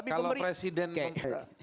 kalau presiden memerintah